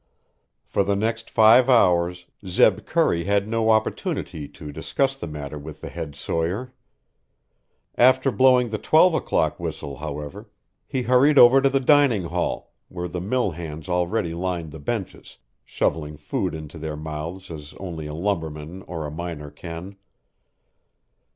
For the next five hours Zeb Curry had no opportunity to discuss the matter with the head sawyer. After blowing the twelve o'clock whistle, however, he hurried over to the dining hall, where the mill hands already lined the benches, shovelling food into their mouths as only a lumberman or a miner can.